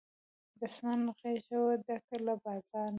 د آسمان غېږه وه ډکه له بازانو